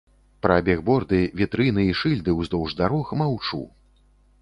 Пра бігборды, вітрыны і шыльды ўздоўж дарог маўчу.